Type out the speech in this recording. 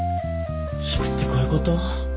「引く」ってこういうこと？